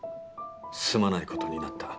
すまない事になった」。